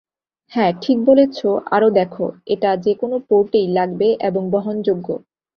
হ্যাঁ, ঠিক বলেছো, আরো দেখো, এটা যেকোন পোর্টেই লাগবে এবং বহনযোগ্য।